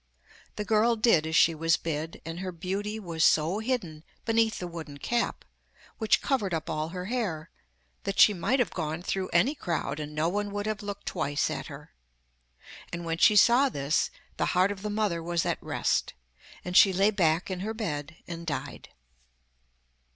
The girl did as she was bid, and her beauty was so hidden beneath the wooden cap, which covered up all her hair, that she might have gone through any crowd, and no one would have looked twice at her. And when she saw this the heart of the mother was at rest, and she lay back in her bed and died.